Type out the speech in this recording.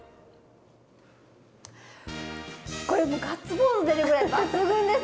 これもうガッツポーズ出るぐらい抜群ですね！